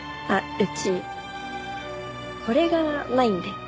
うちこれがないんで。